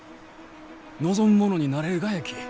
望む者になれるがやき！